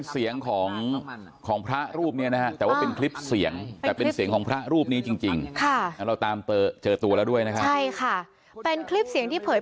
เอาขอเสียงหน่อยโอ๊ยทุเรศที่สุดเลย